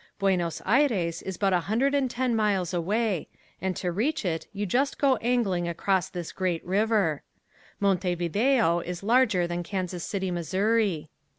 Buenos Aires is but a hundred and ten miles away and to reach it you just go angling across this great river. Montevideo is larger than Kansas City, Missouri.